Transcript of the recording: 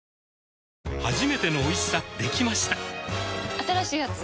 新しいやつ？